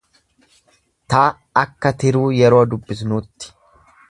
t akka tiruu yeroo dubbisnuutti.